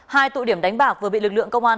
hai tụ điểm đánh bạc vừa bị lực lượng công an